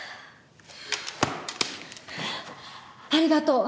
ありがとう！